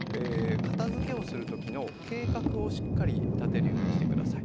片づけをする時の計画をしっかり立てるようにして下さい。